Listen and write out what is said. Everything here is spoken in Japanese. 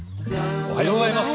おはようございます。